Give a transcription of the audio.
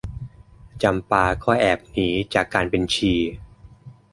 จำปาก็แอบหนีจากการเป็นชี